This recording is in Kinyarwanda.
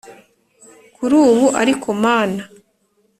kurubu ariko mana,